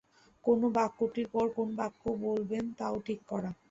কোন বাক্যটির পর কোন বাক্য বলবেন তাও ঠিক করা।